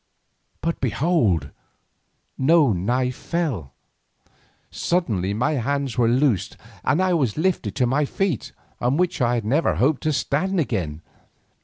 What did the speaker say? But behold! no knife fell. Suddenly my hands were loosed and I was lifted to my feet, on which I never hoped to stand again.